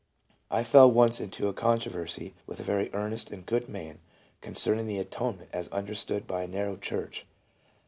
I fell once into a controversy with a very earnest and good man concerning the atonement as un derstood by a narrow church.